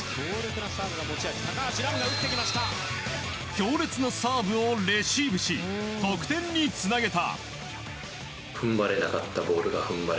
強烈なサーブをレシーブし得点につなげた。